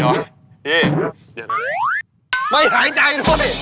เหรอพี่เดี๋ยวนะครับไม่หายใจด้วย